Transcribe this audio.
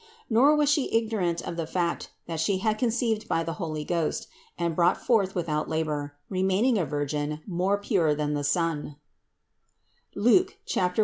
Nor was She ignorant of the fact that She had conceived by the Holy Ghost, and brought forth without labor, remaining a virgin more pure than the sun (Luke 1, 15).